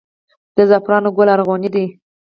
د زعفرانو ګل ارغواني دی